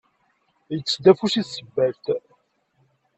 Yekkes-d afus i tsebbalt.